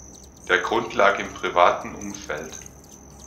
Der Grund lag im privaten Umfeld.